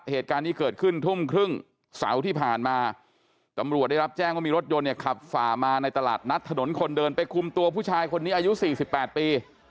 เหตุการณ์นี้เกิดขึ้นทุ่มครึ่งเสาร์ที่ผ่านมาตำรวจได้รับแจ้งว่ามีรถยนต์เนี่ยขับฝ่ามาในตลาดนัดถนนคนเดินไปคุมตัวผู้ชายคนนี้อายุ๔๘ปี